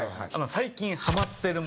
最近ハマってるものとか。